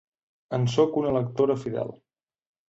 En sóc una lectora fidel.